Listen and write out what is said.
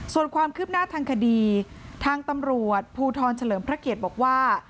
ส่วนความคืบหน้าทางคดีทางตำรวจภูทรเฉลิมพระเกียรติบอกว่า